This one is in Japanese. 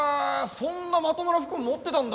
そんなまともな服持ってたんだ。